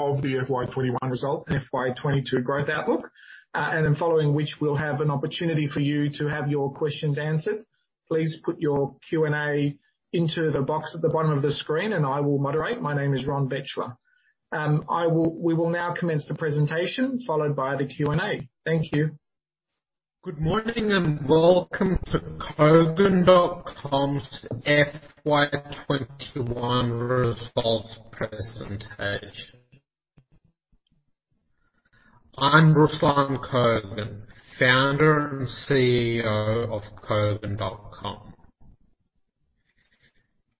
Of the FY 2021 results and FY 2022 growth outlook, and then following which we'll have an opportunity for you to have your questions answered. Please put your Q&A into the box at the bottom of the screen and I will moderate. My name is Ronn Bechler. We will now commence the presentation followed by the Q&A. Thank you. Good morning and welcome to Kogan.com's FY 2021 results presentation. I'm Ruslan Kogan, Founder and CEO of Kogan.com.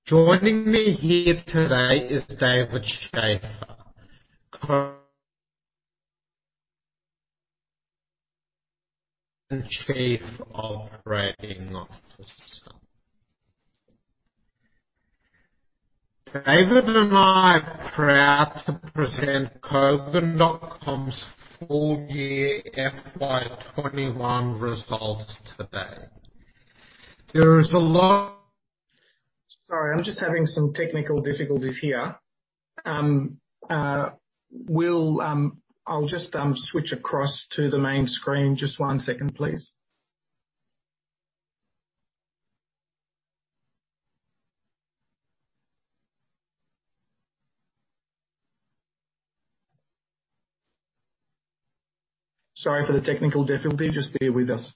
Joining me here today is David Shafer, current Chief Operating Officer. David and I are proud to present Kogan.com's full year FY 2021 results today. Sorry, I'm just having some technical difficulties here. I'll just switch across to the main screen. Just one second, please. Sorry for the technical difficulty. Just bear with us.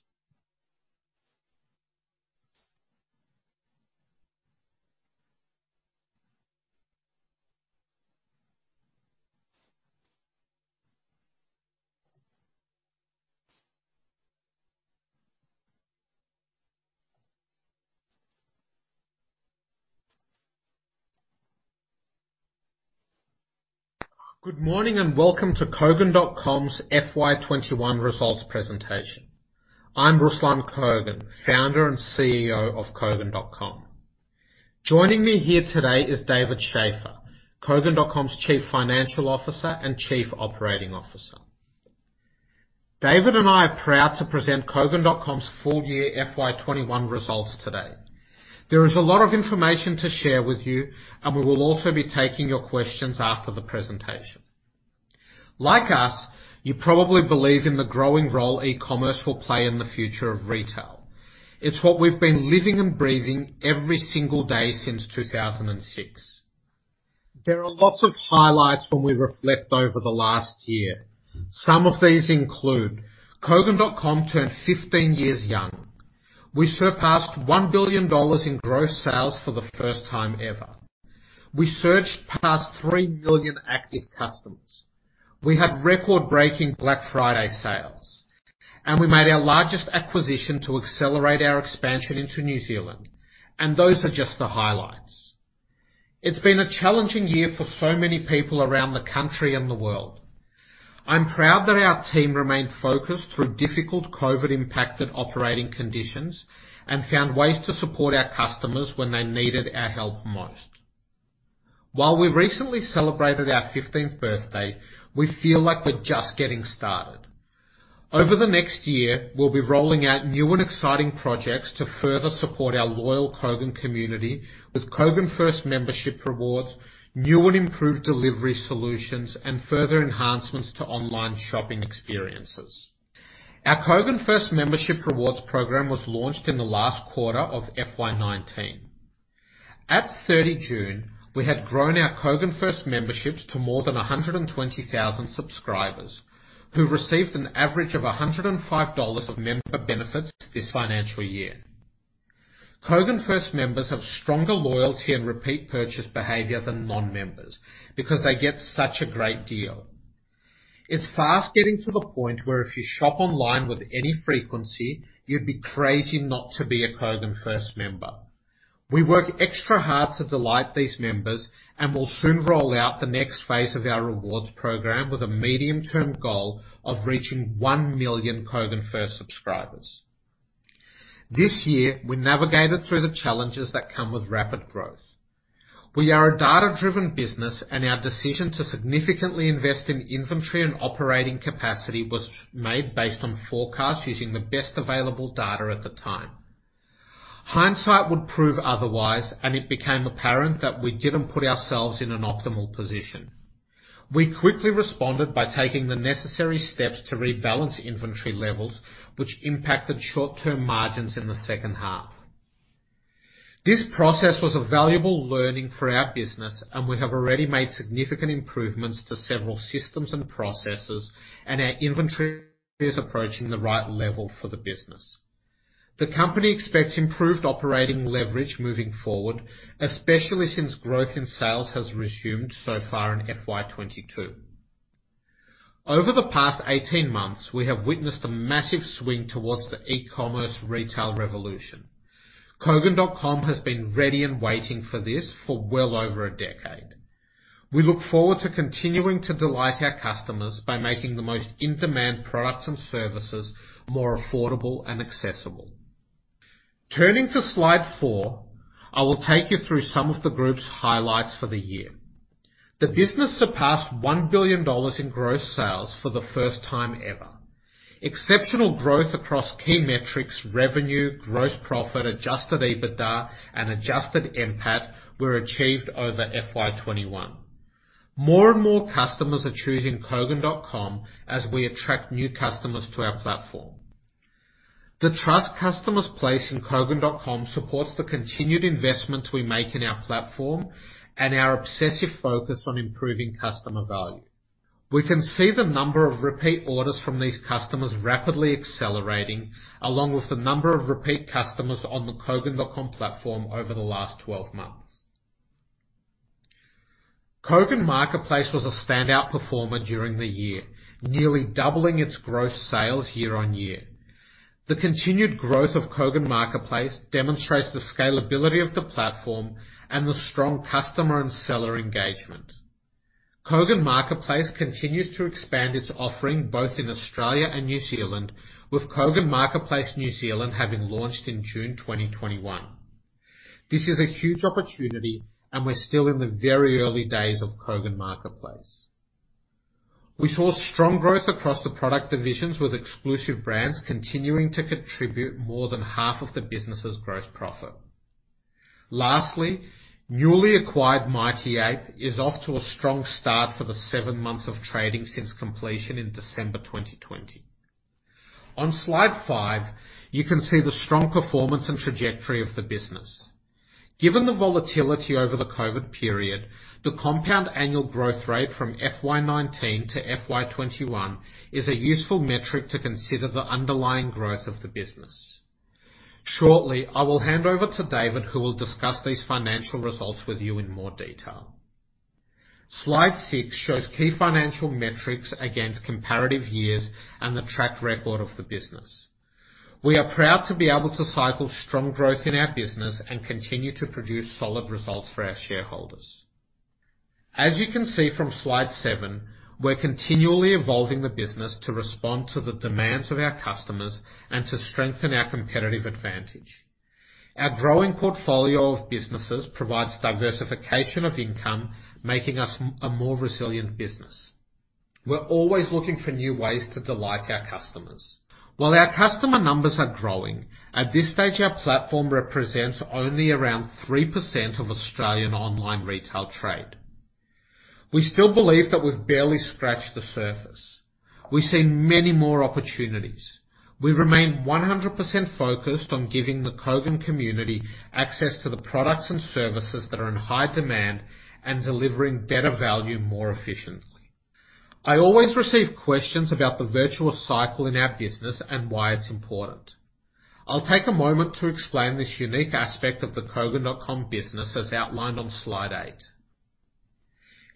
Good morning and welcome to Kogan.com's FY 2021 results presentation. I'm Ruslan Kogan, Founder and CEO of Kogan.com. Joining me here today is David Shafer, Kogan.com's Chief Financial Officer and Chief Operating Officer. David and I are proud to present Kogan.com's full year FY 2021 results today. There is a lot of information to share with you, and we will also be taking your questions after the presentation. Like us, you probably believe in the growing role e-commerce will play in the future of retail. It's what we've been living and breathing every single day since 2006. There are lots of highlights when we reflect over the last year. Some of these include Kogan.com turned 15 years young. We surpassed 1 billion dollars in gross sales for the first time ever. We surged past three million active customers. We had record-breaking Black Friday sales, and we made our largest acquisition to accelerate our expansion into New Zealand. Those are just the highlights. It's been a challenging year for so many people around the country and the world. I'm proud that our team remained focused through difficult COVID-impacted operating conditions and found ways to support our customers when they needed our help most. While we recently celebrated our 15th birthday, we feel like we're just getting started. Over the next year, we'll be rolling out new and exciting projects to further support our loyal Kogan.com community with Kogan First membership rewards, new and improved delivery solutions, and further enhancements to online shopping experiences. Our Kogan First Membership Rewards program was launched in the last quarter of FY 2019. At 30 June, we had grown our Kogan First memberships to more than 120,000 subscribers who received an average of 105 dollars of member benefits this financial year. Kogan First members have stronger loyalty and repeat purchase behavior than non-members because they get such a great deal. It's fast getting to the point where if you shop online with any frequency, you'd be crazy not to be a Kogan.com First member. We work extra hard to delight these members, and we'll soon roll out the next phase of our rewards program with a medium-term goal of reaching one million Kogan.com First subscribers. This year, we navigated through the challenges that come with rapid growth. We are a data-driven business and our decision to significantly invest in inventory and operating capacity was made based on forecasts using the best available data at the time. Hindsight would prove otherwise, and it became apparent that we didn't put ourselves in an optimal position. We quickly responded by taking the necessary steps to rebalance inventory levels, which impacted short-term margins in the second half. This process was a valuable learning for our business. We have already made significant improvements to several systems and processes. Our inventory is approaching the right level for the business. The company expects improved operating leverage moving forward, especially since growth in sales has resumed so far in FY 2022. Over the past 18 months, we have witnessed a massive swing towards the e-commerce retail revolution. Kogan.com has been ready and waiting for this for well over a decade. We look forward to continuing to delight our customers by making the most in-demand products and services more affordable and accessible. Turning to slide four, I will take you through some of the group's highlights for the year. The business surpassed 1 billion dollars in gross sales for the first time ever. Exceptional growth across key metrics, revenue, gross profit, adjusted EBITDA, and adjusted NPAT were achieved over FY 2021. More and more customers are choosing Kogan.com as we attract new customers to our platform. The trust customers place in Kogan.com supports the continued investment we make in our platform and our obsessive focus on improving customer value. We can see the number of repeat orders from these customers rapidly accelerating, along with the number of repeat customers on the Kogan.com platform over the last 12 months. Kogan Marketplace was a standout performer during the year, nearly doubling its gross sales year-on-year. The continued growth of Kogan Marketplace demonstrates the scalability of the platform and the strong customer and seller engagement. Kogan Marketplace continues to expand its offering both in Australia and New Zealand, with Kogan Marketplace New Zealand having launched in June 2021. This is a huge opportunity, and we're still in the very early days of Kogan Marketplace. We saw strong growth across the product divisions, with exclusive brands continuing to contribute more than half of the business's gross profit. Lastly, newly acquired Mighty Ape is off to a strong start for the seven months of trading since completion in December 2020. On slide five, you can see the strong performance and trajectory of the business. Given the volatility over the COVID period, the compound annual growth rate from FY 2019 to FY 2021 is a useful metric to consider the underlying growth of the business. Shortly, I will hand over to David, who will discuss these financial results with you in more detail. Slide six shows key financial metrics against comparative years and the track record of the business. We are proud to be able to cycle strong growth in our business and continue to produce solid results for our shareholders. As you can see from slide seven, we're continually evolving the business to respond to the demands of our customers and to strengthen our competitive advantage. Our growing portfolio of businesses provides diversification of income, making us a more resilient business. We're always looking for new ways to delight our customers. While our customer numbers are growing, at this stage, our platform represents only around 3% of Australian online retail trade. We still believe that we've barely scratched the surface. We see many more opportunities. We remain 100% focused on giving the Kogan.com community access to the products and services that are in high demand and delivering better value more efficiently. I always receive questions about the virtuous cycle in our business and why it's important. I'll take a moment to explain this unique aspect of the Kogan.com business as outlined on slide eight.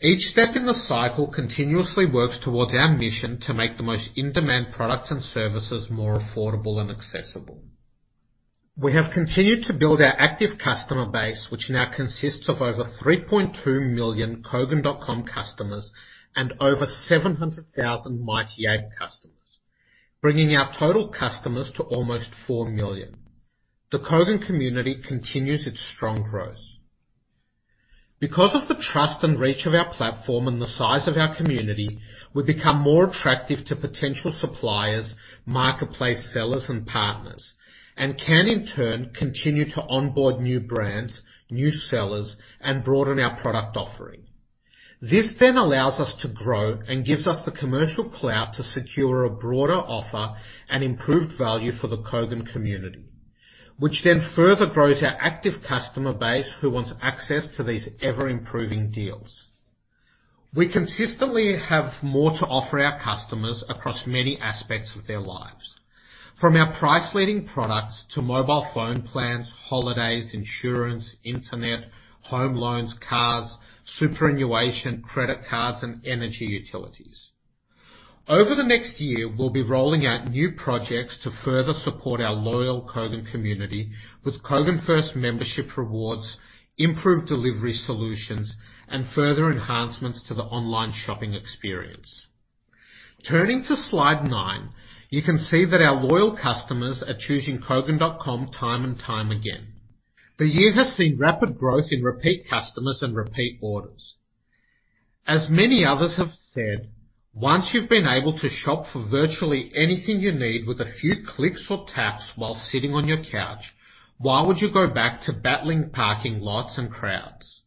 Each step in the cycle continuously works towards our mission to make the most in-demand products and services more affordable and accessible. We have continued to build our active customer base, which now consists of over 3.2 million Kogan.com customers and over 700,000 Mighty Ape customers, bringing our total customers to almost four million. The Kogan.com community continues its strong growth. Because of the trust and reach of our platform and the size of our community, we become more attractive to potential suppliers, marketplace sellers, and partners, and can in turn continue to onboard new brands, new sellers, and broaden our product offering. This then allows us to grow and gives us the commercial clout to secure a broader offer and improved value for the Kogan.com community, which then further grows our active customer base, who wants access to these ever-improving deals. We consistently have more to offer our customers across many aspects of their lives, from our price-leading products to mobile phone plans, holidays, insurance, Internet, home loans, cars, superannuation, credit cards, and energy utilities. Over the next year, we'll be rolling out new projects to further support our loyal Kogan.com community with Kogan.com First membership rewards, improved delivery solutions, and further enhancements to the online shopping experience. Turning to slide nine, you can see that our loyal customers are choosing Kogan.com time and time again. The year has seen rapid growth in repeat customers and repeat orders. As many others have said, once you've been able to shop for virtually anything you need with a few clicks or taps while sitting on your couch, why would you go back to battling parking lots and crowds?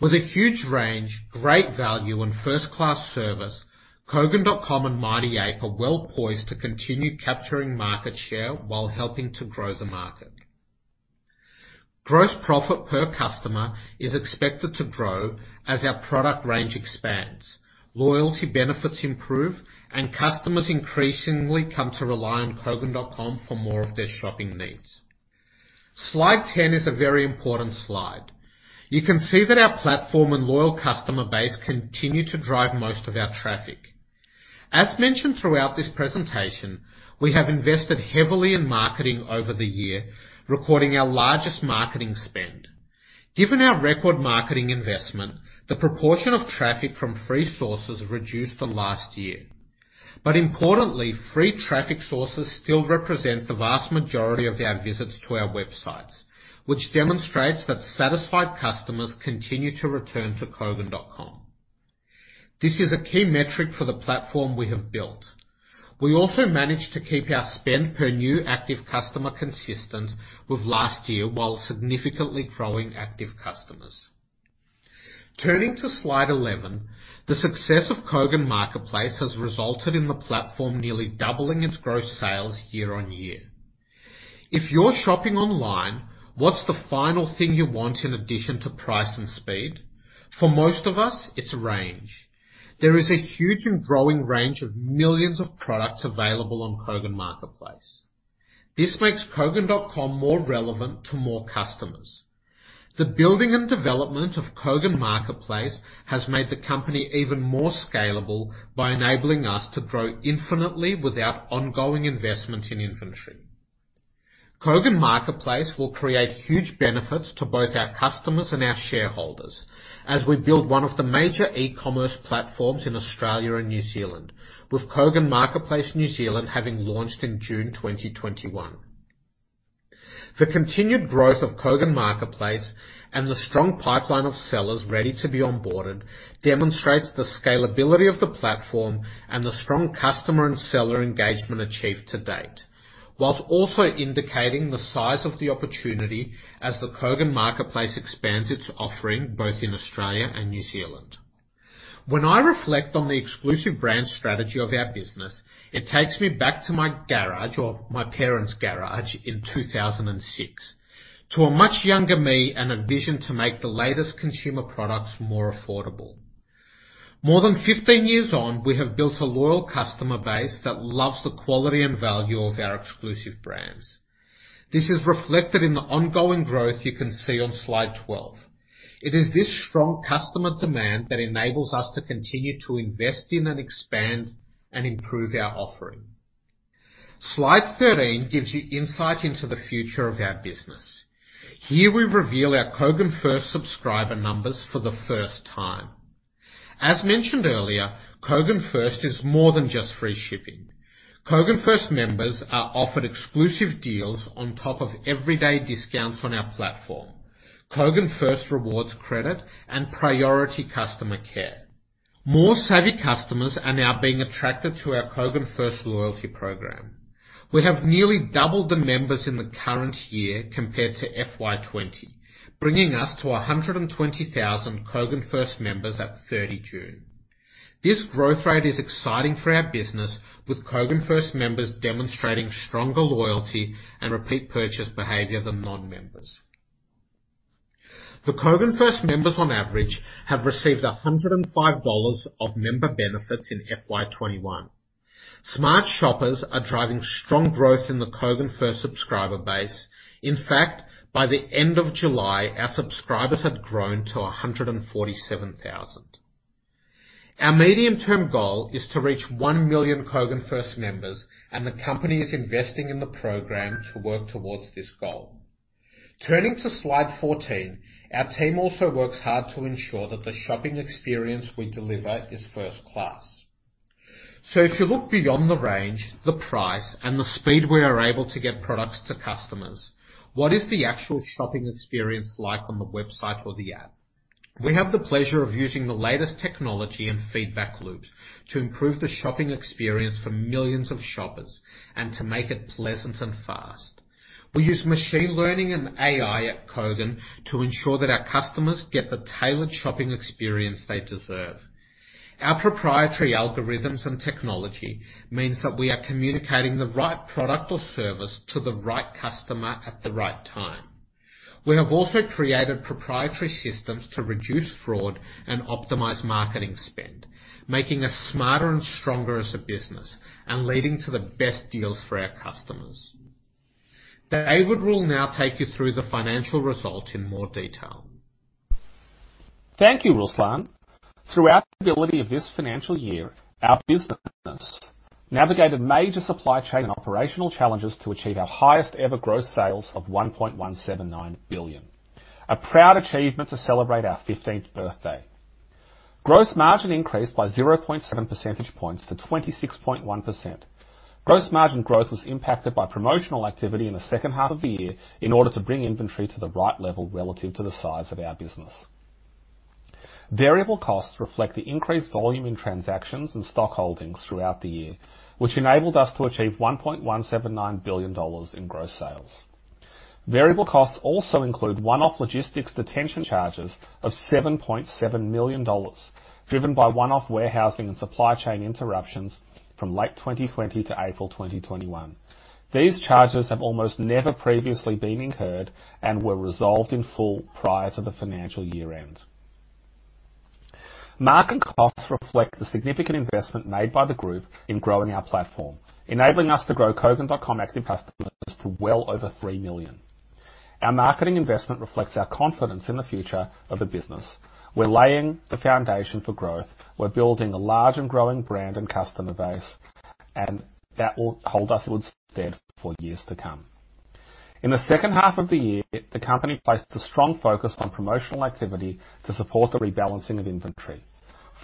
With a huge range, great value, and first-class service, Kogan.com and Mighty Ape are well-poised to continue capturing market share while helping to grow the market. Gross profit per customer is expected to grow as our product range expands, loyalty benefits improve, and customers increasingly come to rely on Kogan.com for more of their shopping needs. Slide 10 is a very important slide. You can see that our platform and loyal customer base continue to drive most of our traffic. As mentioned throughout this presentation, we have invested heavily in marketing over the year, recording our largest marketing spend. Given our record marketing investment, the proportion of traffic from free sources reduced the last year. Importantly, free traffic sources still represent the vast majority of our visits to our websites, which demonstrates that satisfied customers continue to return to Kogan.com. This is a key metric for the platform we have built. We also managed to keep our spend per new active customer consistent with last year while significantly growing active customers. Turning to slide 11, the success of Kogan.com Marketplace has resulted in the platform nearly doubling its gross sales year-on-year. If you're shopping online, what's the final thing you want in addition to price and speed? For most of us, it's range. There is a huge and growing range of millions of products available on Kogan.com Marketplace. This makes Kogan.com more relevant to more customers. The building and development of Kogan.com Marketplace has made the company even more scalable by enabling us to grow infinitely without ongoing investment in inventory. Kogan.com Marketplace will create huge benefits to both our customers and our shareholders, as we build one of the major e-commerce platforms in Australia and New Zealand, with Kogan.com Marketplace New Zealand having launched in June 2021. The continued growth of Kogan.com Marketplace and the strong pipeline of sellers ready to be onboarded demonstrates the scalability of the platform and the strong customer and seller engagement achieved to date, while also indicating the size of the opportunity as the Kogan.com Marketplace expands its offering both in Australia and New Zealand. When I reflect on the exclusive brand strategy of our business, it takes me back to my garage, or my parents' garage, in 2006, to a much younger me and a vision to make the latest consumer products more affordable. More than 15 years on, we have built a loyal customer base that loves the quality and value of our exclusive brands. This is reflected in the ongoing growth you can see on slide 12. It is this strong customer demand that enables us to continue to invest in and expand and improve our offering. Slide 13 gives you insight into the future of our business. Here we reveal our Kogan.com First subscriber numbers for the first time. As mentioned earlier, Kogan.com First is more than just free shipping. Kogan.com First members are offered exclusive deals on top of everyday discounts on our platform, Kogan.com First rewards credit, and priority customer care. More savvy customers are now being attracted to our Kogan.com First loyalty program. We have nearly doubled the members in the current year compared to FY 2020, bringing us to 120,000 Kogan.com First members at 30 June. This growth rate is exciting for our business, with Kogan First members demonstrating stronger loyalty and repeat purchase behavior than non-members. The Kogan First members, on average, have received 105 dollars of member benefits in FY 2021. Smart shoppers are driving strong growth in the Kogan First subscriber base. In fact, by the end of July, our subscribers had grown to 147,000. Our medium-term goal is to reach one million Kogan First members, and the company is investing in the program to work towards this goal. Turning to slide 14, our team also works hard to ensure that the shopping experience we deliver is first class. If you look beyond the range, the price, and the speed we are able to get products to customers, what is the actual shopping experience like on the website or the app? We have the pleasure of using the latest technology and feedback loops to improve the shopping experience for millions of shoppers and to make it pleasant and fast. We use machine learning and AI at Kogan.com to ensure that our customers get the tailored shopping experience they deserve. Our proprietary algorithms and technology means that we are communicating the right product or service to the right customer at the right time. We have also created proprietary systems to reduce fraud and optimize marketing spend, making us smarter and stronger as a business and leading to the best deals for our customers. David will now take you through the financial results in more detail. Thank you, Ruslan. Throughout the ability of this financial year, our business navigated major supply chain and operational challenges to achieve our highest-ever gross sales of 1.179 billion, a proud achievement to celebrate our 15th birthday. Gross margin increased by 0.7 percentage points to 26.1%. Gross margin growth was impacted by promotional activity in the second half of the year in order to bring inventory to the right level relative to the size of our business. Variable costs reflect the increased volume in transactions and stock holdings throughout the year, which enabled us to achieve 1.179 billion dollars in gross sales. Variable costs also include one-off logistics detention charges of 7.7 million dollars, driven by one-off warehousing and supply chain interruptions from late 2020 to April 2021. These charges have almost never previously been incurred and were resolved in full prior to the financial year-end. Marketing costs reflect the significant investment made by the group in growing our platform, enabling us to grow Kogan.com active customers to well over three million. Our marketing investment reflects our confidence in the future of the business. We're laying the foundation for growth. We're building a large and growing brand and customer base. That will hold us in good stead for years to come. In the second half of the year, the company placed a strong focus on promotional activity to support the rebalancing of inventory.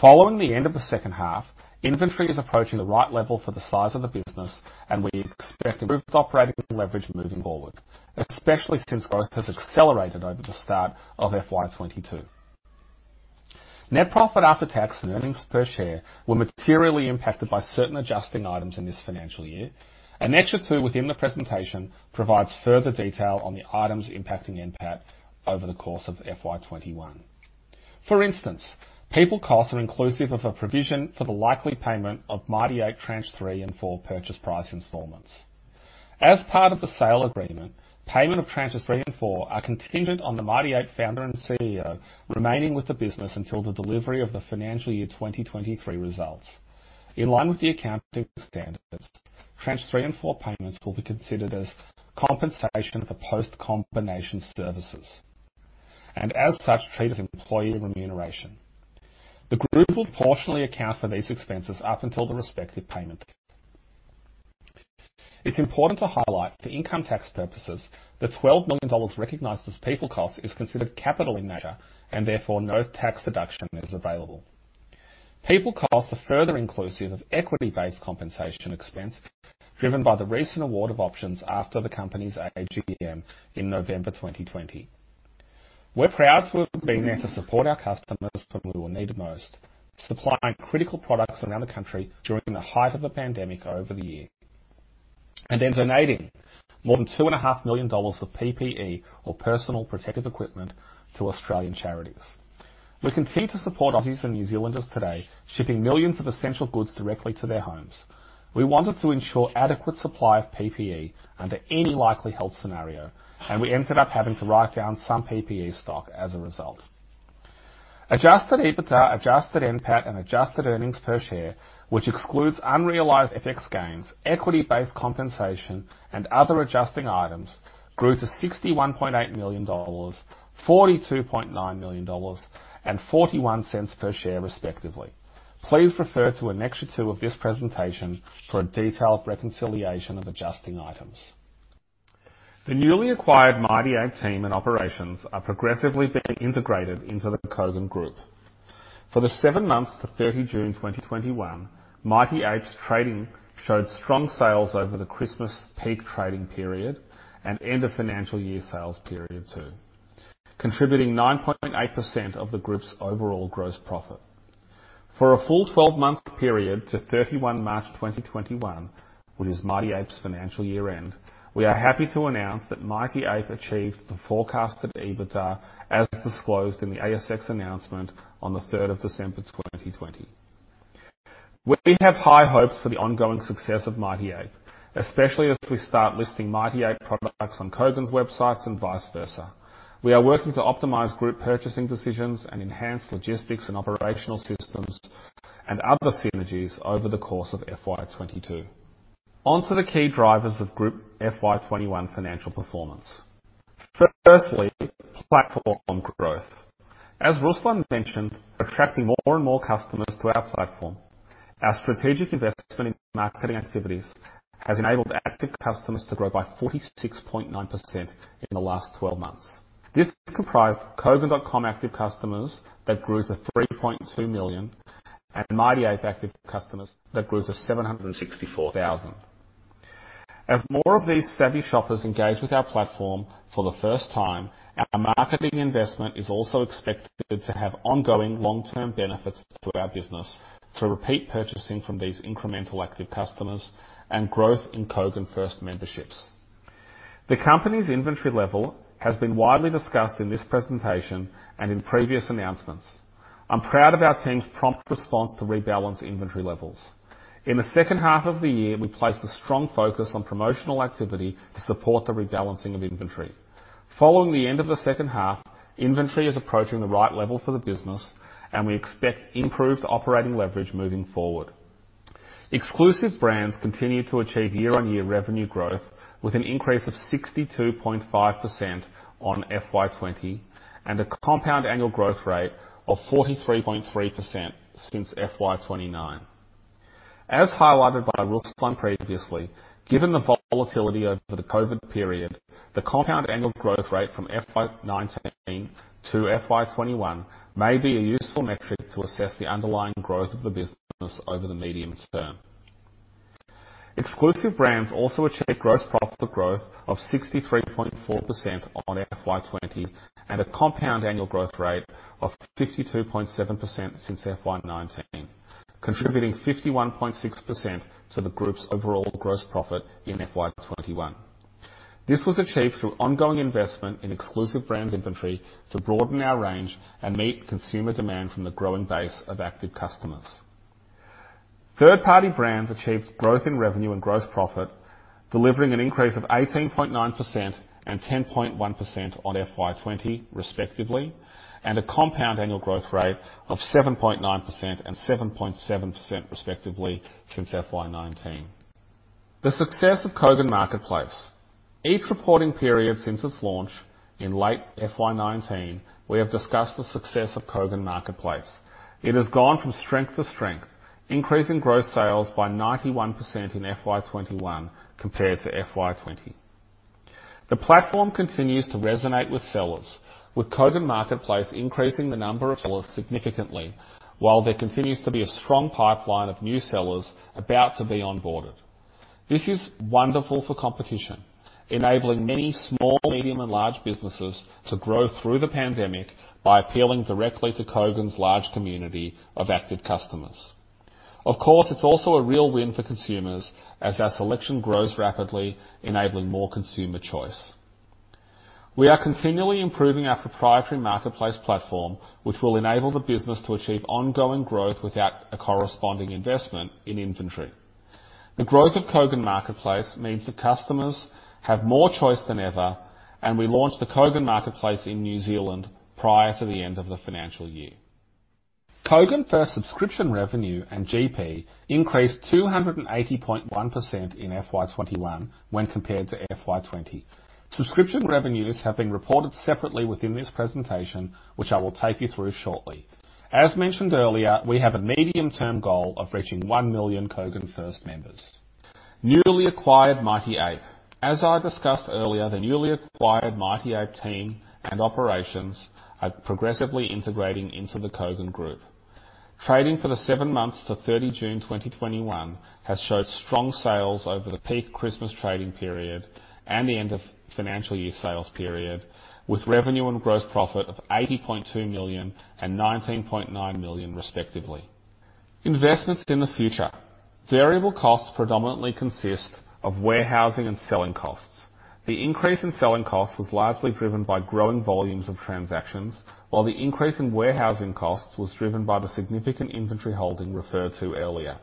Following the end of the second half, inventory is approaching the right level for the size of the business, and we expect improved operating leverage moving forward, especially since growth has accelerated over the start of FY 2022. Net profit after tax and earnings per share were materially impacted by certain adjusting items in this financial year. Annexure 2 within the presentation provides further detail on the items impacting NPAT over the course of FY 2021. For instance, people costs are inclusive of a provision for the likely payment of Mighty Ape Tranche 3 and Tranche 4 purchase price installments. As part of the sale agreement, payment of Tranches 3 and Tranche 4 are contingent on the Mighty Ape founder and CEO remaining with the business until the delivery of the financial year 2023 results. In line with the accounting standards, Tranche 3 and Tranche 4 payments will be considered as compensation for post-combination services, and as such, treated as employee remuneration. The Group will proportionally account for these expenses up until the respective payment. It's important to highlight for income tax purposes that AUD 12 million recognized as people cost is considered capital in nature, and therefore no tax deduction is available. People cost are further inclusive of equity-based compensation expense driven by the recent award of options after the company's AGM in November 2020. We're proud to have been there to support our customers when they were needed most, supplying critical products around the country during the height of the pandemic over the year, and then donating more than 2.5 million dollars of PPE or personal protective equipment to Australian charities. We continue to support Aussies and New Zealanders today, shipping millions of essential goods directly to their homes. We wanted to ensure adequate supply of PPE under any likely health scenario, and we ended up having to write down some PPE stock as a result. Adjusted EBITDA, adjusted NPAT, and adjusted earnings per share, which excludes unrealized FX gains, equity-based compensation, and other adjusting items, grew to AUD 61.8 million, AUD 42.9 million, and 0.41 per share, respectively. Please refer to Annexure 2 of this presentation for a detailed reconciliation of adjusting items. The newly acquired Mighty Ape team and operations are progressively being integrated into the Kogan.com Group. For the seven months to 30 June, 2021, Mighty Ape's trading showed strong sales over the Christmas peak trading period and end of financial year sales period too, contributing 9.8% of the Group's overall gross profit. For a full 12-month period to 31 March, 2021, which is Mighty Ape's financial year-end, we are happy to announce that Mighty Ape achieved the forecasted EBITDA as disclosed in the ASX announcement on the 3rd of December 2020. We have high hopes for the ongoing success of Mighty Ape, especially as we start listing Mighty Ape products on Kogan.com's websites and vice versa. We are working to optimize Group purchasing decisions and enhance logistics and operational systems and other synergies over the course of FY 2022. On to the key drivers of Group FY 2021 financial performance. Firstly, platform growth. As Ruslan mentioned, attracting more and more customers to our platform. Our strategic investment in marketing activities has enabled active customers to grow by 46.9% in the last 12 months. This comprised Kogan.com active customers that grew to 3.2 million and Mighty Ape active customers that grew to 764,000. As more of these savvy shoppers engage with our platform for the first time, our marketing investment is also expected to have ongoing long-term benefits to our business through repeat purchasing from these incremental active customers and growth in Kogan First memberships. The company's inventory level has been widely discussed in this presentation and in previous announcements. I'm proud of our team's prompt response to rebalance inventory levels. In the second half of the year, we placed a strong focus on promotional activity to support the rebalancing of inventory. Following the end of the second half, inventory is approaching the right level for the business, and we expect improved operating leverage moving forward. Exclusive brands continue to achieve year-on-year revenue growth with an increase of 62.5% on FY 2020 and a compound annual growth rate of 43.3% since FY 2019. As highlighted by Ruslan previously, given the volatility over the COVID period, the compound annual growth rate from FY 2019 to FY 2021 may be a useful metric to assess the underlying growth of the business over the medium term. Exclusive brands also achieved gross profit growth of 63.4% on FY 2020 and a compound annual growth rate of 52.7% since FY 2019, contributing 51.6% to the Group's overall gross profit in FY 2021. This was achieved through ongoing investment in exclusive brands inventory to broaden our range and meet consumer demand from the growing base of active customers. Third-party brands achieved growth in revenue and gross profit, delivering an increase of 18.9% and 10.1% on FY 2020 respectively, and a compound annual growth rate of 7.9% and 7.7% respectively since FY 2019. The success of Kogan.com Marketplace. Each reporting period since its launch in late FY 2019, we have discussed the success of Kogan.com Marketplace. It has gone from strength to strength, increasing gross sales by 91% in FY 2021 compared to FY 2020. The platform continues to resonate with sellers, with Kogan.com Marketplace increasing the number of sellers significantly, while there continues to be a strong pipeline of new sellers about to be onboarded. This is wonderful for competition, enabling many small, medium, and large businesses to grow through the pandemic by appealing directly to Kogan.com's large community of active customers. Of course, it's also a real win for consumers as our selection grows rapidly, enabling more consumer choice. We are continually improving our proprietary marketplace platform, which will enable the business to achieve ongoing growth without a corresponding investment in inventory. The growth of Kogan.com Marketplace means that customers have more choice than ever. We launched the Kogan.com Marketplace in New Zealand prior to the end of the financial year. Kogan.com First subscription revenue and GP increased 280.1% in FY 2021 when compared to FY 2020. Subscription revenues have been reported separately within this presentation, which I will take you through shortly. As mentioned earlier, we have a medium-term goal of reaching one million Kogan.com First members. Newly acquired Mighty Ape. As I discussed earlier, the newly acquired Mighty Ape team and operations are progressively integrating into the Kogan.com Group. Trading for the seven months to 30 June, 2021 has showed strong sales over the peak Christmas trading period and the end of financial year sales period, with revenue and gross profit of 80.2 million and 19.9 million, respectively. Investments in the future. Variable costs predominantly consist of warehousing and selling costs. The increase in selling costs was largely driven by growing volumes of transactions, while the increase in warehousing costs was driven by the significant inventory holding referred to earlier.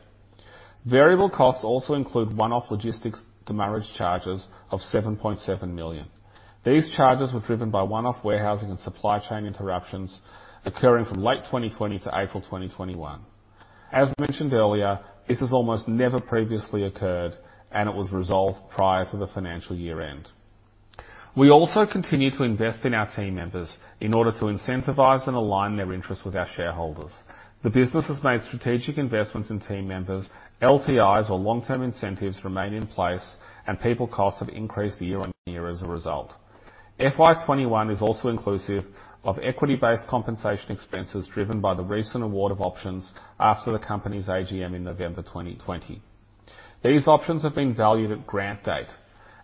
Variable costs also include one-off logistics demurrage charges of 7.7 million. These charges were driven by one-off warehousing and supply chain interruptions occurring from late 2020 to April 2021. As mentioned earlier, this has almost never previously occurred, and it was resolved prior to the financial year-end. We also continue to invest in our team members in order to incentivize and align their interests with our shareholders. The business has made strategic investments in team members. LTIs, or long-term incentives, remain in place, and people costs have increased year-on-year as a result. FY 2021 is also inclusive of equity-based compensation expenses driven by the recent award of options after the company's AGM in November 2020. These options have been valued at grant date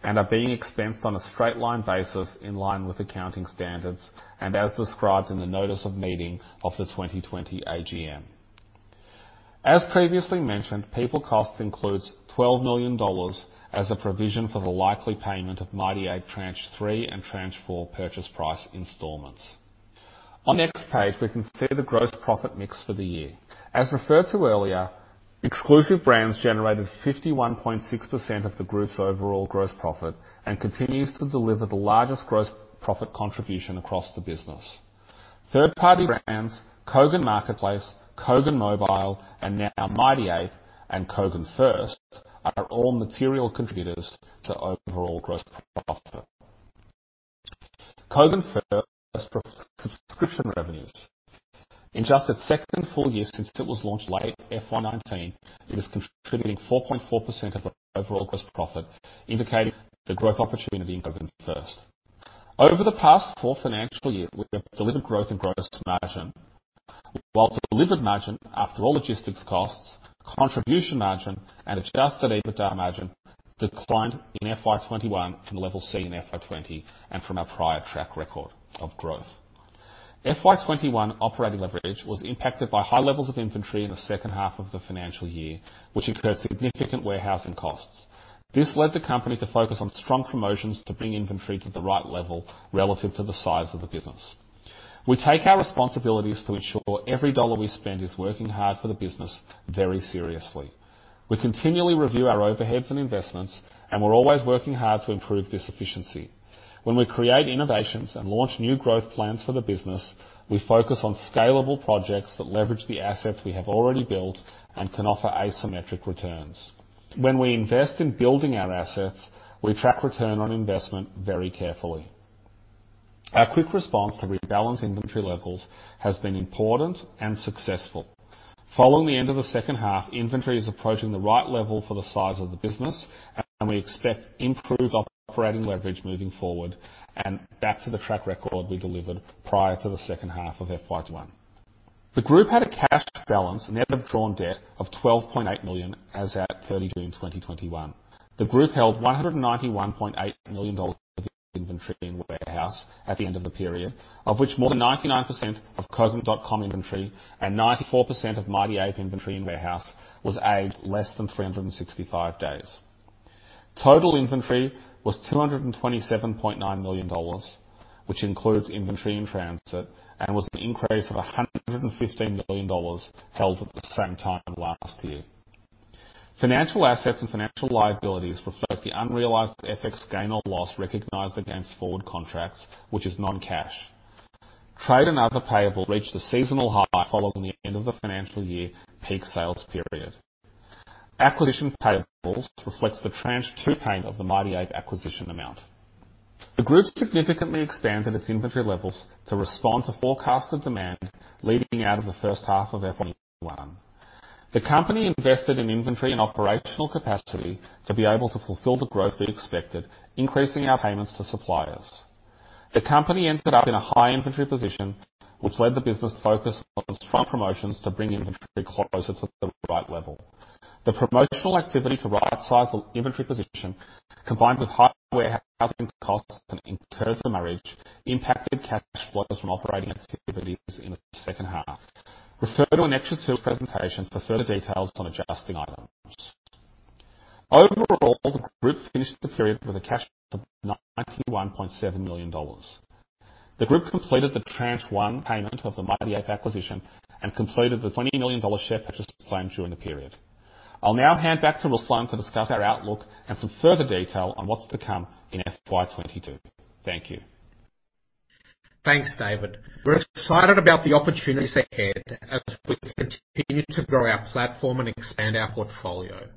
and are being expensed on a straight line basis in line with accounting standards and as described in the notice of meeting of the 2020 AGM. As previously mentioned, people costs includes 12 million dollars as a provision for the likely payment of Mighty Ape Tranche 3 and Tranche 4 purchase price installments. On the next page, we can see the gross profit mix for the year. As referred to earlier, exclusive brands generated 51.6% of the group's overall gross profit and continues to deliver the largest gross profit contribution across the business. Third-party brands, Kogan.com Marketplace, Kogan.com Mobile, and now Mighty Ape and Kogan.com First are all material contributors to overall gross profit. Kogan.com First subscription revenues. In just its second full year since it was launched late FY 2019, it is contributing 4.4% of the overall gross profit, indicating the growth opportunity in Kogan.com First. Over the past four financial years, we have delivered growth in gross margin, while delivered margin after all logistics costs, contribution margin, and adjusted EBITDA margin declined in FY 2021 from the level seen in FY 2020 and from our prior track record of growth. FY 2021 operating leverage was impacted by high levels of inventory in the second half of the financial year, which incurred significant warehousing costs. This led the company to focus on strong promotions to bring inventory to the right level relative to the size of the business. We take our responsibilities to ensure every dollar we spend is working hard for the business very seriously. We continually review our overheads and investments, and we're always working hard to improve this efficiency. When we create innovations and launch new growth plans for the business, we focus on scalable projects that leverage the assets we have already built and can offer asymmetric returns. When we invest in building our assets, we track ROI very carefully. Our quick response to rebalance inventory levels has been important and successful. Following the end of the second half, inventory is approaching the right level for the size of the business, and we expect improved operating leverage moving forward and back to the track record we delivered prior to the second half of FY 2021. The group had a cash balance, net of drawn debt, of 12.8 million as at 30 June, 2021. The group held AUD 191.8 million of inventory in warehouse at the end of the period, of which more than 99% of Kogan.com inventory and 94% of Mighty Ape inventory in warehouse was aged less than 365 days. Total inventory was AUD 227.9 million, which includes inventory in transit, and was an increase of AUD 115 million held at the same time last year. Financial assets and financial liabilities reflect the unrealized FX gain or loss recognized against forward contracts, which is non-cash. Trade and other payables reached a seasonal high following the end of the financial year peak sales period. Acquisition payables reflects the Tranche 2 payment of the Mighty Ape acquisition amount. The group significantly expanded its inventory levels to respond to forecasted demand leading out of the first half of FY 2021. The company invested in inventory and operational capacity to be able to fulfill the growth we expected, increasing our payments to suppliers. The company ended up in a high inventory position, which led the business focus on strong promotions to bring inventory closer to the right level. The promotional activity to right-size the inventory position, combined with higher warehousing costs and incurred damage, impacted cash flows from operating activities in the second half. Refer to Annexure 2 presentation for further details on adjusting items. Overall, the group finished the period with a cash of AUD 91.7 million. The group completed the Tranche 1 payment of the Mighty Ape acquisition and completed the 20 million dollar share purchase plan during the period. I'll now hand back to Ruslan to discuss our outlook and some further detail on what's to come in FY 2022. Thank you. Thanks, David Shafer. We're excited about the opportunities ahead as we continue to grow our platform and expand our portfolio.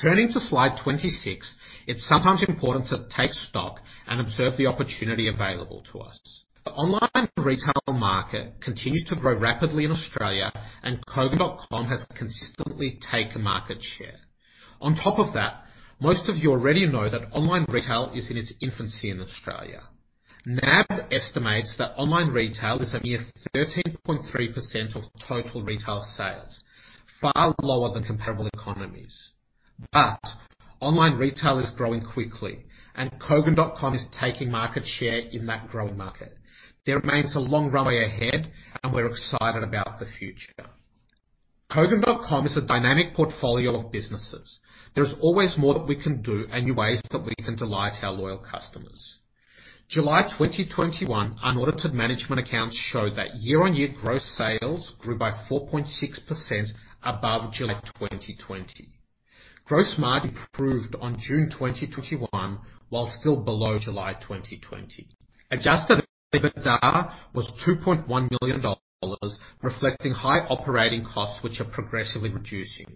Turning to slide 26, it's sometimes important to take stock and observe the opportunity available to us. The online retail market continues to grow rapidly in Australia, Kogan.com has consistently taken market share. On top of that, most of you already know that online retail is in its infancy in Australia. NAB estimates that online retail is a mere 13.3% of total retail sales, far lower than comparable economies. Online retail is growing quickly, Kogan.com is taking market share in that growing market. There remains a long runway ahead and we're excited about the future. Kogan.com is a dynamic portfolio of businesses. There's always more that we can do and new ways that we can delight our loyal customers. July 2021 unaudited management accounts show that year-on-year gross sales grew by 4.6% above July 2020. Gross margin improved on June 2021, while still below July 2020. Adjusted EBITDA was 2.1 million dollars, reflecting high operating costs, which are progressively reducing.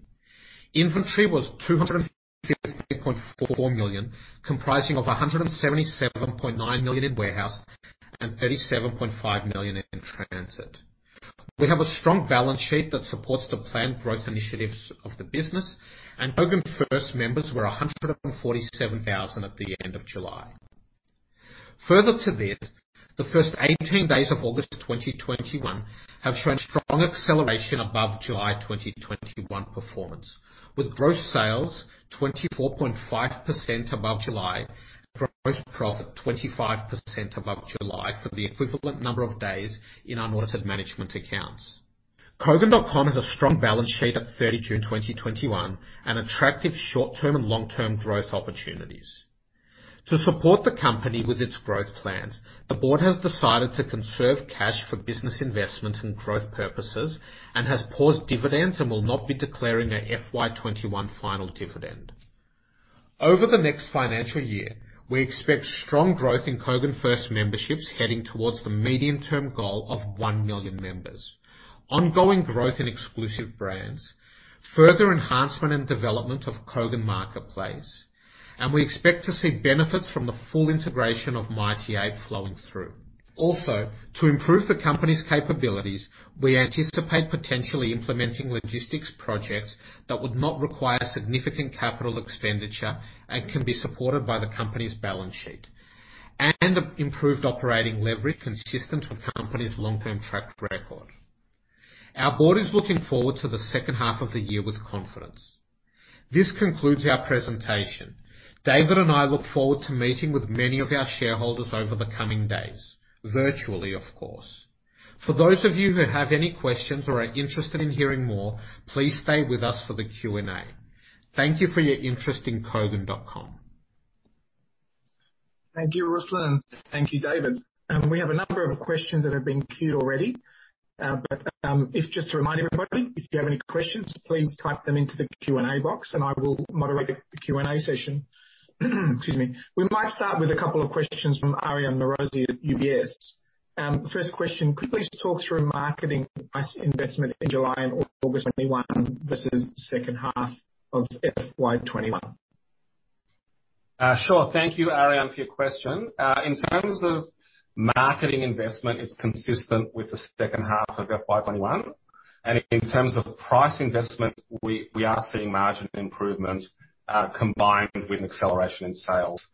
Inventory was 253.4 million, comprising of 177.9 million in warehouse and 37.5 million in transit. We have a strong balance sheet that supports the planned growth initiatives of the business, and Kogan First members were 147,000 at the end of July. Further to this, the first 18 days of August 2021 have shown strong acceleration above July 2021 performance, with gross sales 24.5% above July, gross profit 25% above July for the equivalent number of days in unaudited management accounts. Kogan.com has a strong balance sheet at 30 June, 2021 and attractive short-term and long-term growth opportunities. To support the company with its growth plans, the board has decided to conserve cash for business investment and growth purposes and has paused dividends and will not be declaring a FY 2021 final dividend. Over the next financial year, we expect strong growth in Kogan First memberships heading towards the medium-term goal of one million members. Ongoing growth in exclusive brands. Further enhancement and development of Kogan Marketplace. We expect to see benefits from the full integration of Mighty Ape flowing through. Also, to improve the company's capabilities, we anticipate potentially implementing logistics projects that would not require significant capital expenditure and can be supported by the company's balance sheet. Improved operating leverage consistent with company's long-term track record. Our board is looking forward to the second half of the year with confidence. This concludes our presentation. David and I look forward to meeting with many of our shareholders over the coming days, virtually, of course. For those of you who have any questions or are interested in hearing more, please stay with us for the Q&A. Thank you for your interest in Kogan.com. Thank you, Ruslan. Thank you, David. We have a number of questions that have been queued already. Just to remind everybody, if you have any questions, please type them into the Q&A box and I will moderate the Q&A session. Excuse me. We might start with a couple of questions from Aryan Mirovski at UBS. First question, could you please talk through marketing price investment in July and August 2021 versus second half of FY 2021? Sure. Thank you, Arian, for your question. In terms of marketing investment, it's consistent with the second half of FY 2021. In terms of price investment, we are seeing margin improvement, combined with an acceleration in sales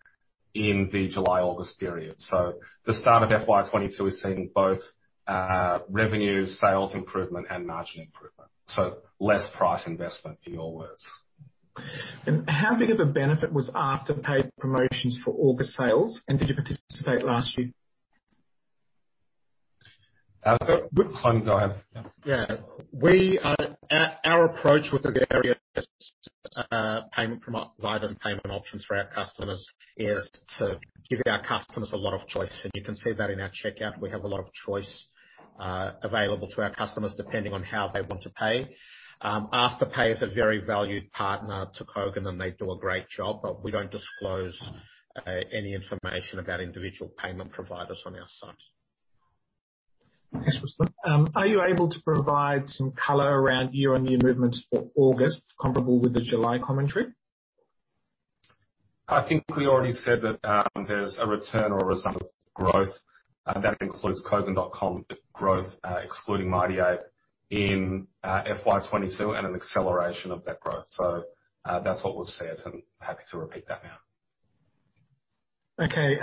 in the July-August period. The start of FY 2022 is seeing both revenue sales improvement and margin improvement. Less price investment, in your words. How big of a benefit was Afterpay promotions for August sales, and did you participate last year? I'll go. Yeah. Our approach with the various payment options for our customers is to give our customers a lot of choice, and you can see that in our checkout. We have a lot of choice available to our customers depending on how they want to pay. Afterpay is a very valued partner to Kogan.com, and they do a great job. We don't disclose any information about individual payment providers on our site. Thanks, Ruslan. Are you able to provide some color around year-on-year movements for August comparable with the July commentary? I think we already said that there's a return or a resume of growth, and that includes Kogan.com growth, excluding Mighty Ape in FY 2022, and an acceleration of that growth. That's what we've said, and happy to repeat that now. Okay.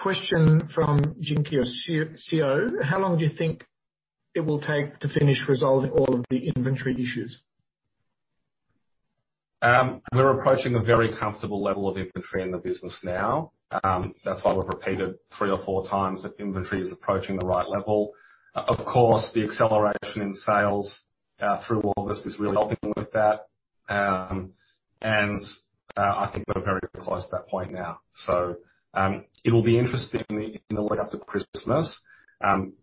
Question from Jinkio Siou. How long do you think it will take to finish resolving all of the inventory issues? We're approaching a very comfortable level of inventory in the business now. That's why we've repeated three or four times that inventory is approaching the right level. Of course, the acceleration in sales through August is really helping with that. I think we're very close to that point now. It'll be interesting in the lead up to Christmas,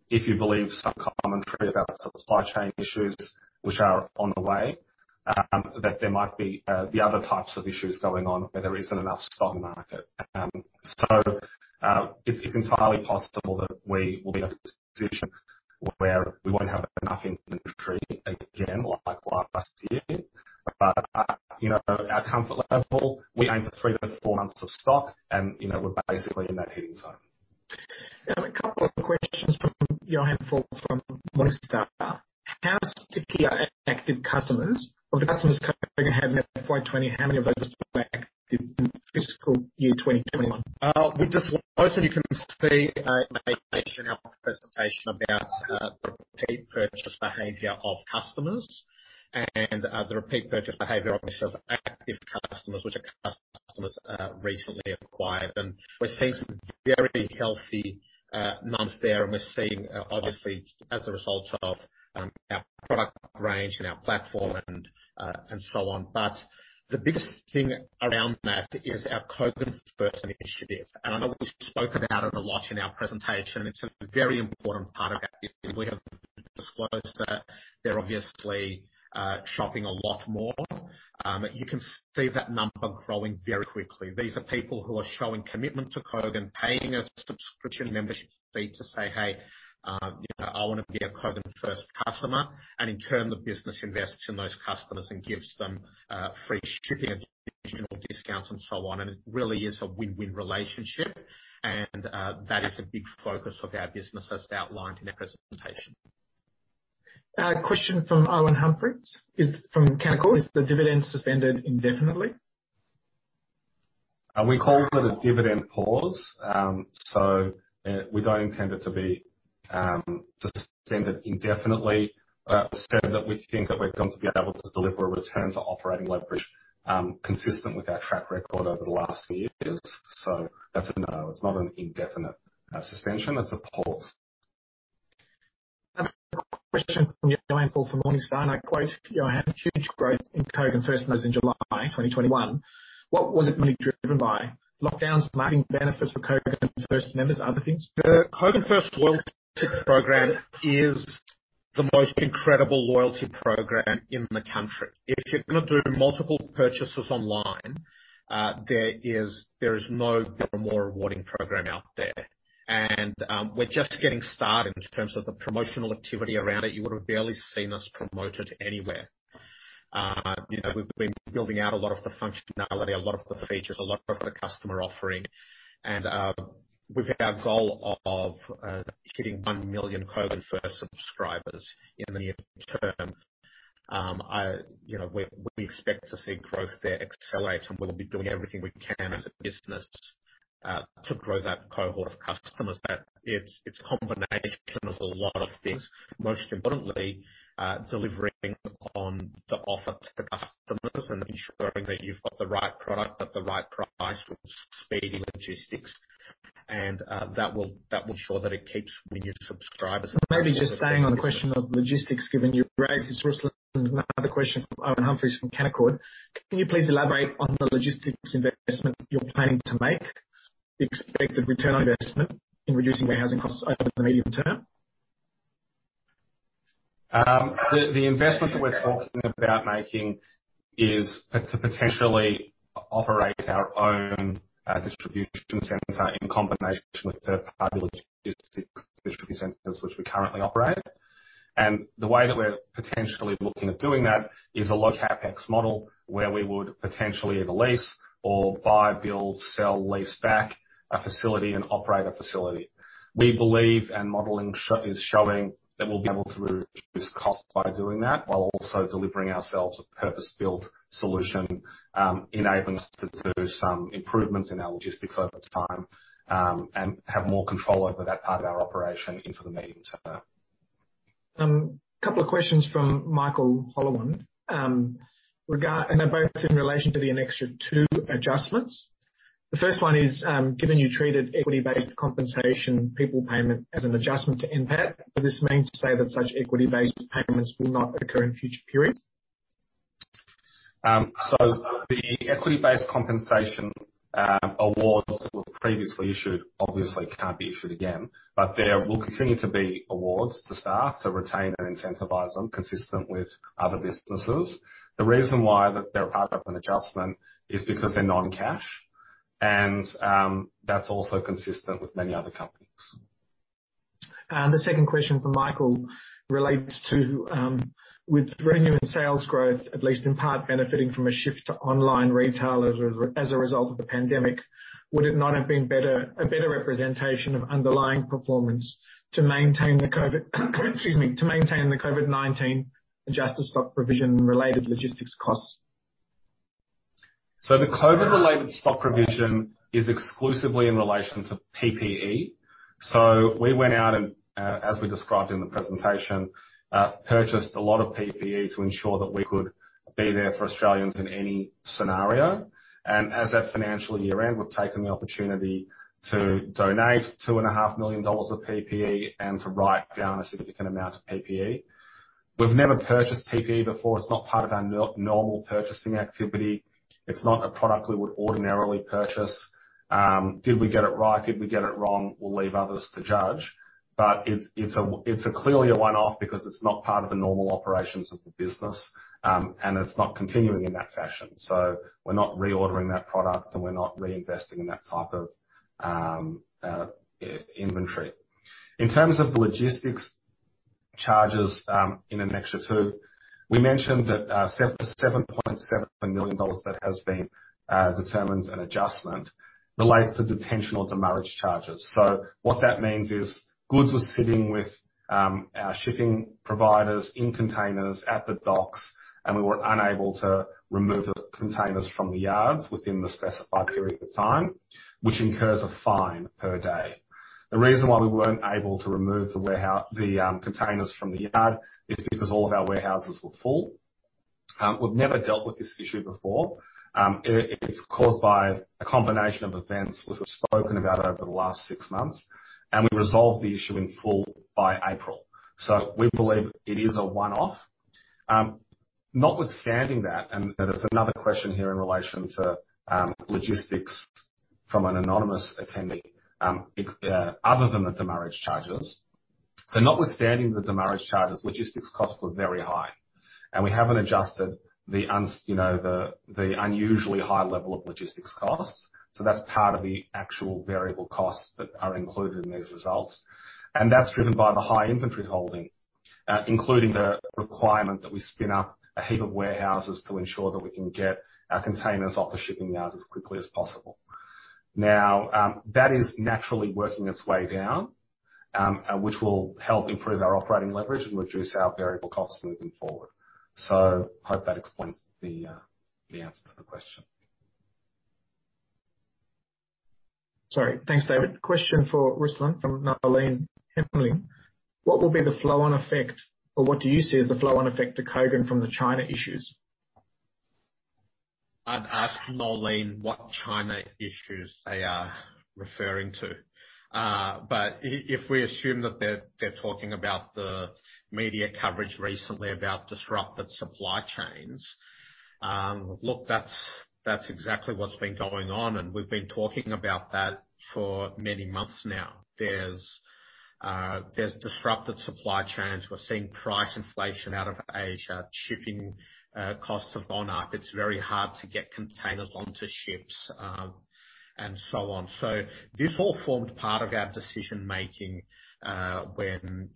if you believe some commentary about supply chain issues which are on the way, that there might be the other types of issues going on where there isn't enough stock in the market. It's entirely possible that we will be in a position where we won't have enough inventory again like last year. Our comfort level, we aim for three to four months of stock, and we're basically in that hitting zone. A couple of questions from Johannes Faul from Morningstar. How sticky are active customers? Of the customers Kogan had in FY 2020, how many of those were active in fiscal year 2021? With the slides that you can see, presentation about the repeat purchase behavior of customers, and the repeat purchase behavior of active customers, which are customers recently acquired. We're seeing some very healthy numbers there, we're seeing, obviously, as a result of our product range and our platform and so on. The biggest thing around that is our Kogan.com First initiative. I know we spoke about it a lot in our presentation. It's a very important part of our business. We have disclosed that they're obviously shopping a lot more. You can see that number growing very quickly. These are people who are showing commitment to Kogan.com, paying a subscription membership fee to say, "Hey, I want to be a Kogan.com First customer." In turn, the business invests in those customers and gives them free shipping and additional discounts and so on. It really is a win-win relationship. That is a big focus of our business as outlined in our presentation. A question from Owen Humphries from Canaccord Genuity. Is the dividend suspended indefinitely? We called it a dividend pause. We don't intend it to be suspended indefinitely. I will say that we think that we're going to be able to deliver returns on operating leverage consistent with our track record over the last few years. That's a no. It's not an indefinite suspension. It's a pause. A question from Johannes Faul from Morningstar. I quote, "Johannes, huge growth in Kogan First members in July 2021. What was it mainly driven by? Lockdowns, marketing benefits for Kogan First members, other things? The Kogan.com First loyalty program is the most incredible loyalty program in the country. If you're gonna do multiple purchases online, there is no better, more rewarding program out there. We're just getting started in terms of the promotional activity around it. You would have barely seen us promote it anywhere. We've been building out a lot of the functionality, a lot of the features, a lot of the customer offering. We've our goal of hitting one million Kogan.com First subscribers in the near term. We expect to see growth there accelerate, and we'll be doing everything we can as a business to grow that cohort of customers. It's a combination of a lot of things. Most importantly, delivering on the offer to customers and ensuring that you've got the right product at the right price with speedy logistics. That will ensure that it keeps bringing subscribers. Maybe just staying on the question of logistics given you raised this, Ruslan. Another question from Owen Humphries from Canaccord. Can you please elaborate on the logistics investment you're planning to make, the expected return on investment in reducing warehousing costs over the medium term? The investment that we're talking about making is to potentially operate our own distribution center in combination with third-party logistics distribution centers which we currently operate. The way that we're potentially looking at doing that is a low CapEx model where we would potentially either lease or buy, build, sell, lease back a facility and operate a facility. We believe, and modeling is showing, that we'll be able to reduce cost by doing that while also delivering ourselves a purpose-built solution, enabling us to do some improvements in our logistics over time, and have more control over that part of our operation into the medium term. A couple of questions from Michael Holowen. They're both in relation to the Annexure 2 adjustments. The first one is, given you treated equity-based compensation, people payment as an adjustment to NPAT, does this mean to say that such equity-based payments will not occur in future periods? The equity-based compensation awards that were previously issued obviously can't be issued again, but there will continue to be awards to staff to retain and incentivize them consistent with other businesses. The reason why that they're part of an adjustment is because they're non-cash, and that's also consistent with many other companies. The second question for Michael relates to, with revenue and sales growth, at least in part, benefiting from a shift to online retail as a result of the pandemic, would it not have been a better representation of underlying performance to maintain the COVID-19 adjusted stock provision-related logistics costs? The COVID-related stock provision is exclusively in relation to PPE. We went out and, as we described in the presentation, purchased a lot of PPE to ensure that we could be there for Australians in any scenario. As at financial year-end, we've taken the opportunity to donate 2.5 million dollars of PPE and to write down a significant amount of PPE. We've never purchased PPE before. It's not part of our normal purchasing activity. It's not a product we would ordinarily purchase. Did we get it right? Did we get it wrong? We'll leave others to judge. It's clearly a one-off because it's not part of the normal operations of the business, and it's not continuing in that fashion. We're not reordering that product, and we're not reinvesting in that type of inventory. In terms of the logistics charges in Annexure 2, we mentioned that 7.7 million dollars that has been determined an adjustment relates to detention or demurrage charges. What that means is goods were sitting with our shipping providers in containers at the docks, and we were unable to remove the containers from the yards within the specified period of time, which incurs a fine per day. The reason why we weren't able to remove the containers from the yard is because all of our warehouses were full. We've never dealt with this issue before. It's caused by a combination of events which we've spoken about over the last six months, and we resolved the issue in full by April. We believe it is a one-off. Notwithstanding that, and there's another question here in relation to logistics from an anonymous attendee. Other than the demurrage charges, so notwithstanding the demurrage charges, logistics costs were very high. We haven't adjusted the unusually high level of logistics costs. That's part of the actual variable costs that are included in these results. That's driven by the high inventory holding, including the requirement that we spin up a heap of warehouses to ensure that we can get our containers off the shipping yards as quickly as possible. Now, that is naturally working its way down, which will help improve our operating leverage and reduce our variable costs moving forward. Hope that explains the answer to the question. Sorry. Thanks, David. Question for Ruslan from Nolene Hemling. What will be the flow-on effect, or what do you see as the flow-on effect to Kogan.com from the China issues? I'd ask Nolene what China issues they are referring to. If we assume that they're talking about the media coverage recently about disrupted supply chains, look, that's exactly what's been going on, and we've been talking about that for many months now. There's disrupted supply chains. We're seeing price inflation out of Asia. Shipping costs have gone up. It's very hard to get containers onto ships, and so on. This all formed part of our decision-making, when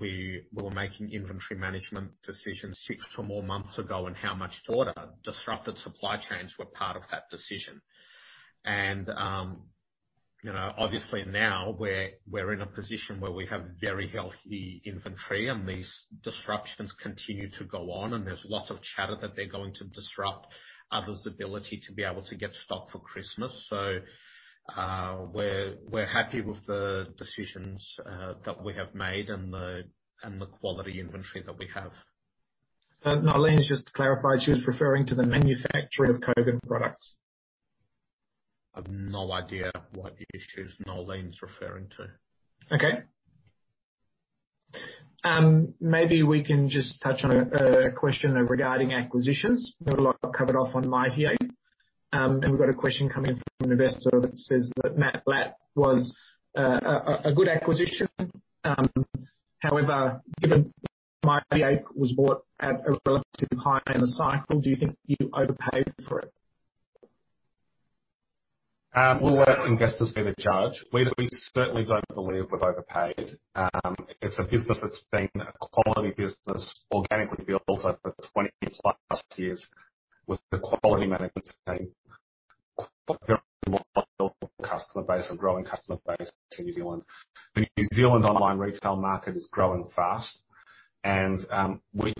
we were making inventory management decisions six or more months ago and how much to order. Disrupted supply chains were part of that decision. Obviously now we're in a position where we have very healthy inventory and these disruptions continue to go on, and there's lots of chatter that they're going to disrupt others' ability to be able to get stock for Christmas. We're happy with the decisions that we have made and the quality inventory that we have. Nolene's just clarified she was referring to the manufacturing of Kogan.com products. I've no idea what issues Nolene's referring to. Okay. Maybe we can just touch on a question regarding acquisitions. A lot got covered off on Mighty Ape. We've got a question coming from an investor that says that Matt Blatt was a good acquisition. Given Mighty Ape was bought at a relatively high end of cycle, do you think you overpaid for it? We'll let investors be the judge. We certainly don't believe we've overpaid. It's a business that's been a quality business organically built over 20+ years with a quality management team, customer base, a growing customer base to New Zealand. The New Zealand online retail market is growing fast, and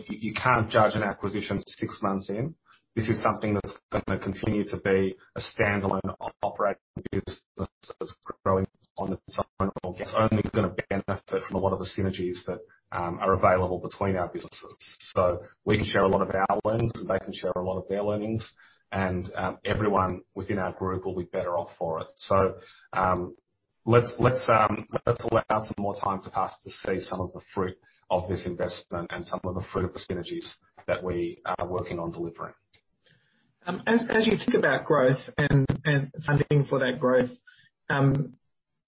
you can't judge an acquisition six months in. This is something that's going to continue to be a standalone operating business that's growing on its own. It's only going to benefit from a lot of the synergies that are available between our businesses. We can share a lot of our learnings, and they can share a lot of their learnings, and everyone within our group will be better off for it. Let's allow some more time to pass to see some of the fruit of this investment and some of the fruit of the synergies that we are working on delivering. As you think about growth and funding for that growth,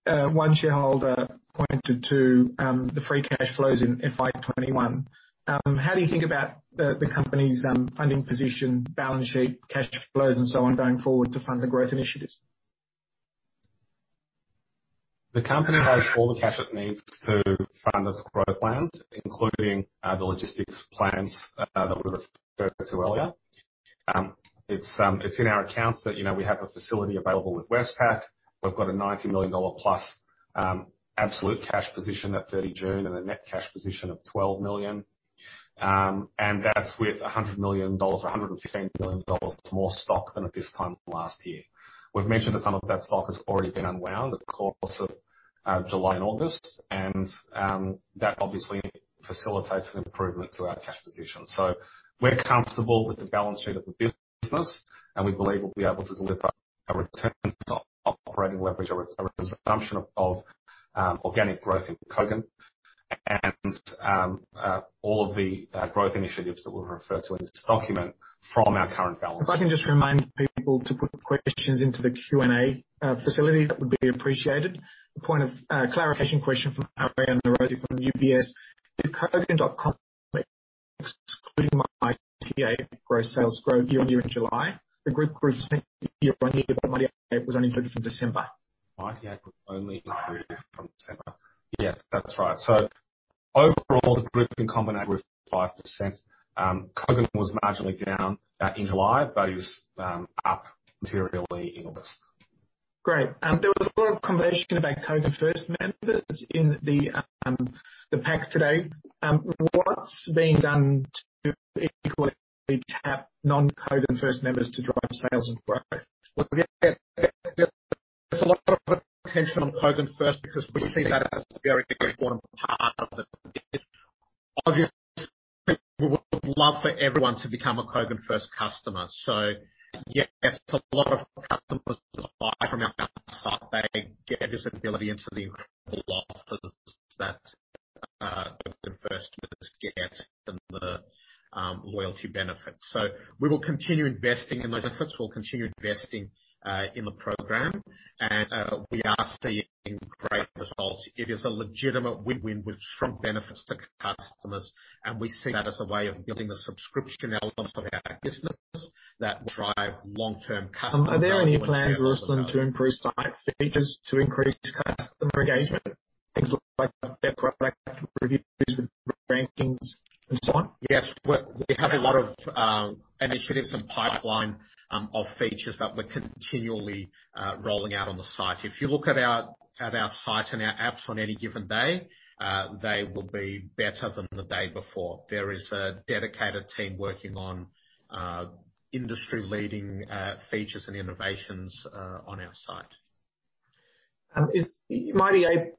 one shareholder pointed to the free cash flows in FY 2021. How do you think about the company's funding position, balance sheet, cash flows, and so on, going forward to fund the growth initiatives? The company has all the cash it needs to fund its growth plans, including the logistics plans that were referred to earlier. It's in our accounts that we have a facility available with Westpac. We've got an 90 million dollar+ absolute cash position at 30 June and a net cash position of 12 million. That's with 100 million dollars, 115 million dollars more stock than at this time last year. We've mentioned that some of that stock has already been unwound over the course of July and August, and that obviously facilitates an improvement to our cash position. We're comfortable with the balance sheet of the business, and we believe we'll be able to deliver a return on operating leverage or a resumption of organic growth in Kogan.com and all of the growth initiatives that we've referred to in this document from our current balance sheet. If I can just remind people to put questions into the Q&A facility, that would be appreciated. A point of clarification question from Aryan Mirovski from UBS. Did Kogan.com excluding Mighty Ape grow sales growth year-on-year in July? The group grew 10% year-on-year, but Mighty Ape was only included from December. Mighty Ape was only included from December. Yes, that's right. Overall, the group in combination with 5%, Kogan.com was marginally down in July, but it was up materially in August. Great. There was a lot of conversation about Kogan.com First members in the pack today. What is being done to equally tap non-Kogan.com First members to drive sales and growth? Well, there's a lot of attention on Kogan.com First because we see that as a very important part of the business. Obviously, we would love for everyone to become a Kogan.com First customer. Yes, a lot of customers buy from our site, they get visibility into the incredible offers that Kogan.com First members get and the loyalty benefits. We will continue investing in those efforts. We'll continue investing in the program, and we are seeing great results. It is a legitimate win-win with strong benefits to customers, and we see that as a way of building the subscription element of our business that will drive long-term customer value and shareholder value. Are there any plans, Ruslan, to improve site features to increase customer engagement? Things like better product reviews and rankings and so on. Yes. We have a lot of initiatives and pipeline of features that we're continually rolling out on the site. If you look at our site and our apps on any given day, they will be better than the day before. There is a dedicated team working on industry-leading features and innovations on our site. Mighty Ape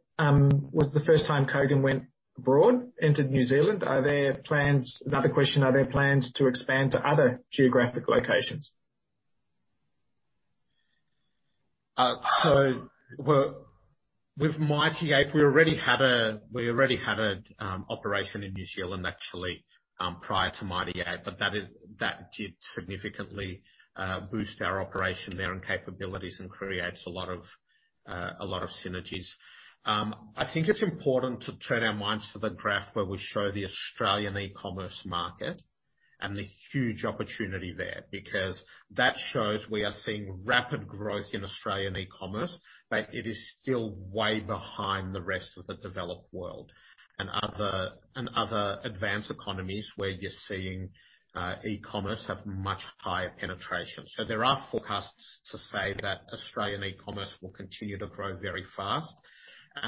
was the first time Kogan.com went abroad, entered New Zealand. Another question, are there plans to expand to other geographic locations? With Mighty Ape, we already had an operation in New Zealand actually, prior to Mighty Ape, but that did significantly boost our operation there and capabilities and creates a lot of synergies. I think it's important to turn our minds to the graph where we show the Australian e-commerce market and the huge opportunity there, because that shows we are seeing rapid growth in Australian e-commerce, but it is still way behind the rest of the developed world and other advanced economies where you're seeing e-commerce have much higher penetration. There are forecasts to say that Australian e-commerce will continue to grow very fast.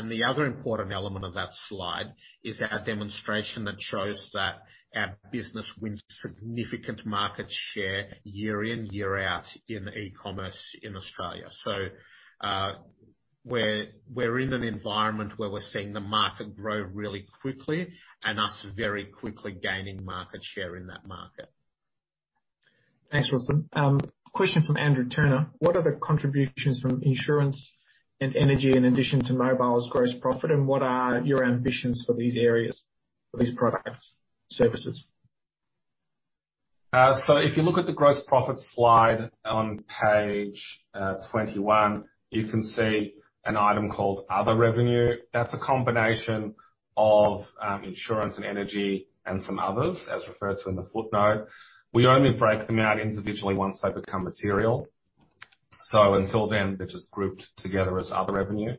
The other important element of that slide is our demonstration that shows that our business wins significant market share year in, year out in e-commerce in Australia. We're in an environment where we're seeing the market grow really quickly and us very quickly gaining market share in that market. Thanks, Ruslan. Question from Andrew Turner. What are the contributions from insurance and energy in addition to mobile's gross profit, and what are your ambitions for these areas, for these products services? If you look at the gross profit slide on page 21, you can see an item called Other Revenue. That's a combination of insurance and energy and some others, as referred to in the footnote. We only break them out individually once they become material. Until then, they're just grouped together as Other Revenue.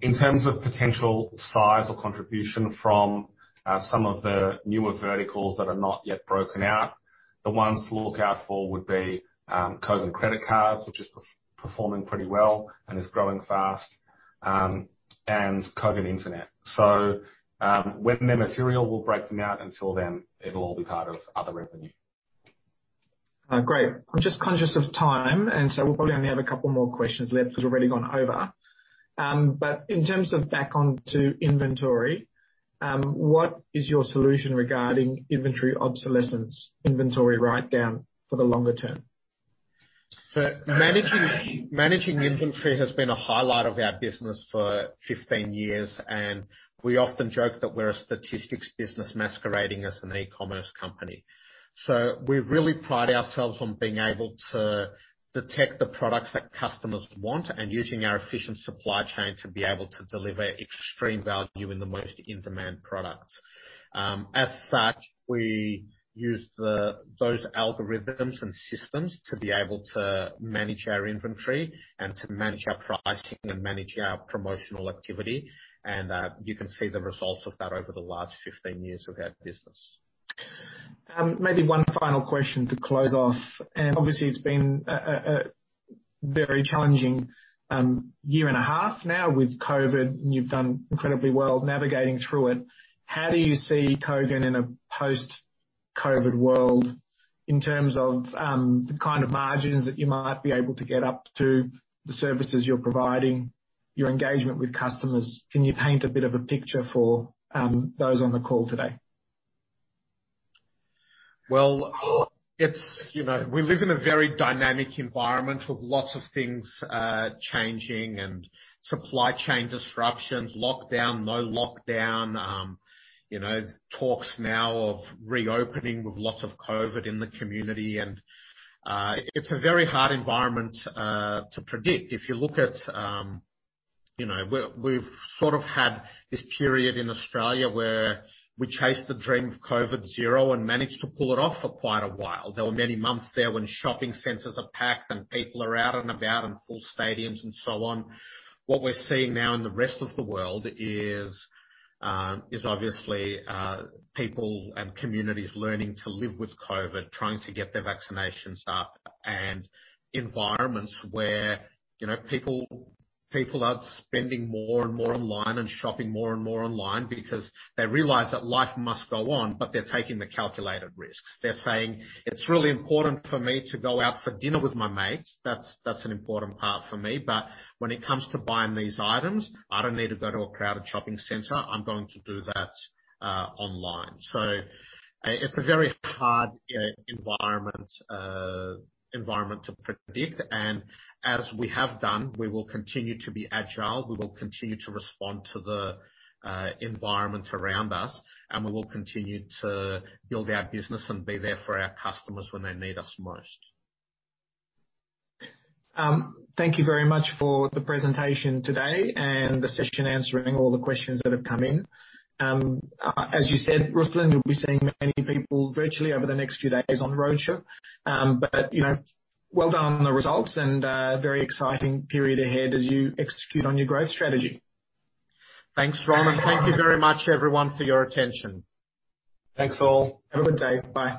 In terms of potential size or contribution from some of the newer verticals that are not yet broken out, the ones to look out for would be Kogan.com credit cards, which is performing pretty well and is growing fast, and Kogan Internet. When they're material, we'll break them out. Until then, it'll all be part of Other Revenue. Great. I'm just conscious of time, and so we'll probably only have a couple more questions left because we've already gone over. In terms of back onto inventory, what is your solution regarding inventory obsolescence, inventory write-down for the longer term? Managing inventory has been a highlight of our business for 15 years, and we often joke that we're a statistics business masquerading as an e-commerce company. We really pride ourselves on being able to detect the products that customers want and using our efficient supply chain to be able to deliver extreme value in the most in-demand products. As such, we use those algorithms and systems to be able to manage our inventory, and to manage our pricing, and manage our promotional activity. You can see the results of that over the last 15 years of our business. Maybe one final question to close off. Obviously it's been a very challenging year and a half now with COVID, and you've done incredibly well navigating through it. How do you see Kogan.com in a post-COVID world in terms of the kind of margins that you might be able to get up to, the services you're providing, your engagement with customers? Can you paint a bit of a picture for those on the call today? We live in a very dynamic environment with lots of things changing and supply chain disruptions, lockdown, no lockdown. Talks now of reopening with lots of COVID in the community. It's a very hard environment to predict. If you look at-- We've sort of had this period in Australia where we chased the dream of COVID-Zero and managed to pull it off for quite a while. There were many months there when shopping centers are packed and people are out and about, and full stadiums, and so on. What we're seeing now in the rest of the world is obviously, people and communities learning to live with COVID, trying to get their vaccinations up, and environments where people are spending more and more online and shopping more and more online because they realize that life must go on, but they're taking the calculated risks. They're saying, "It's really important for me to go out for dinner with my mates. That's an important part for me. But when it comes to buying these items, I don't need to go to a crowded shopping center. I'm going to do that online." It's a very hard environment to predict. As we have done, we will continue to be agile, we will continue to respond to the environment around us, and we will continue to build our business and be there for our customers when they need us most. Thank you very much for the presentation today and the session, answering all the questions that have come in. As you said, Ruslan, you'll be seeing many people virtually over the next few days on the roadshow. Well done on the results, and a very exciting period ahead as you execute on your growth strategy. Thanks, Roland. Thank you very much, everyone, for your attention. Thanks, all. Have a good day. Bye.